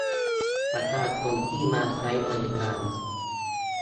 ประชาชนที่มาใช้บริการ